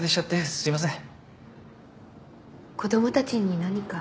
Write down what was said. すいません